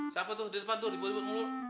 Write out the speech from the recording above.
siapa tuh di depan tuh dibutuhin